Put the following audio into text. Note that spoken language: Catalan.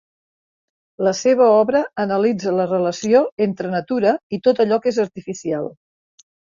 La seva obra analitza la relació entre natura i tot allò que és artificial.